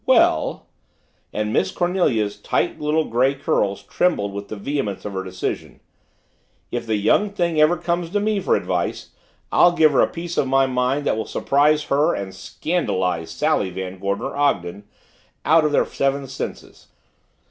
Well " and Miss Cornelia's tight little gray curls trembled with the vehemence of her decision, "if the young thing ever comes to me for advice I'll give her a piece of my mind that will surprise her and scandalize Sally Van Gorder Ogden out of her seven senses.